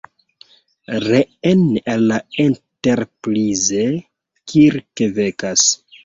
Reen al la Enterprise, Kirk vekas.